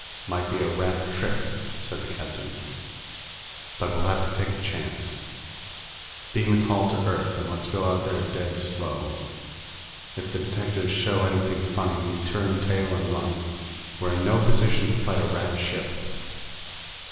"Might be a Rat trick," said the captain. "But we'll have to take the chance. Beam a call to Earth, and let's go out there dead slow. If the detectors show anything funny, we turn tail and run. We're in no position to fight a Rat ship."